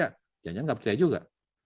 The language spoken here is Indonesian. jangan jangan nggak percaya juga